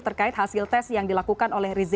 terkait hasil tes yang dilakukan oleh di rumah sakit